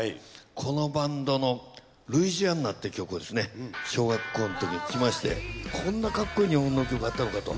このバンドの『ルイジアンナ』っていう曲をですね小学校のときに聴きましてこんなかっこいい日本の曲あったのかと。